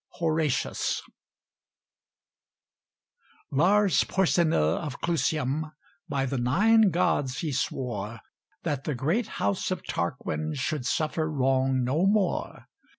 _ HORATIUS Lars Porsena of Clusium By the Nine Gods he swore That the great house of Tarquin Should suffer wrong no more.